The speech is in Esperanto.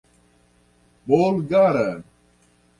bulgara